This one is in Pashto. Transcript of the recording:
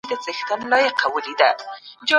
مجموعي تقاضا له مجموعي عرضې سره مساوي کیږي.